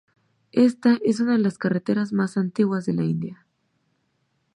Esta es una de las carreteras más antiguas de la India.